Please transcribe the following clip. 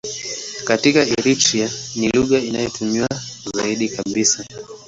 Katika Eritrea ni lugha inayotumiwa zaidi kabisa.